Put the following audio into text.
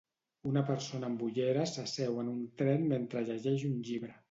Una persona amb ulleres s'asseu en un tren mentre llegeix un llibre